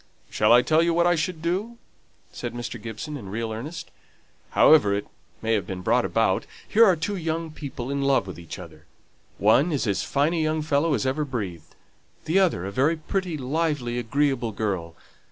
"Shall I tell you what I should do?" said Mr. Gibson, in real earnest. "However it may have been brought about, here are two young people in love with each other. One is as fine a young fellow as ever breathed; the other a very pretty, lively, agreeable girl.